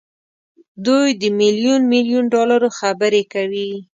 دوی د ميليون ميليون ډالرو خبرې کوي.